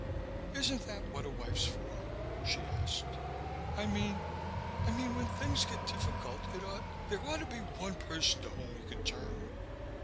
"Isn't that what a wife's for?" she asked. "I mean I mean when things get difficult it ought there ought to be one person to whom you could turn."